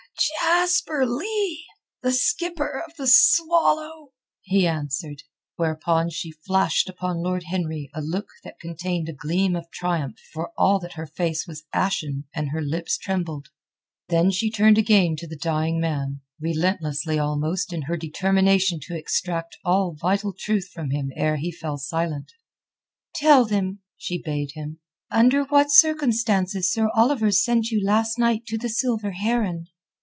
"Jasper Leigh, the skipper of the Swallow," he answered, whereupon she flashed upon Lord Henry a look that contained a gleam of triumph for all that her face was ashen and her lips trembled. Then she turned again to the dying man, relentlessly almost in her determination to extract all vital truth from him ere he fell silent. "Tell them," she bade him, "under what circumstances Sir Oliver sent you last night to the Silver Heron."